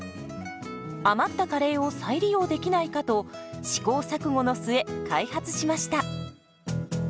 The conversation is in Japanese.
余ったカレーを再利用できないかと試行錯誤の末開発しました。